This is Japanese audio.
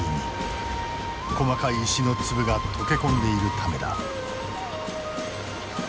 細かい石の粒が溶け込んでいるためだ。